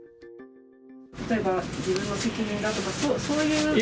例えば、自分の責任だとか、そういうことばも？